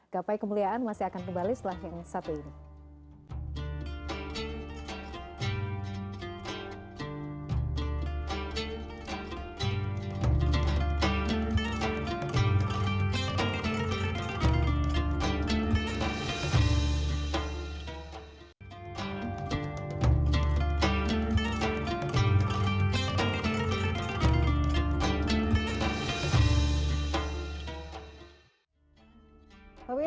gapai kemuliaan masih akan kembali setelah yang satu ini